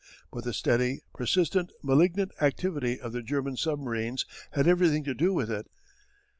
But the steady, persistent malignant activity of the German submarines had everything to do with it.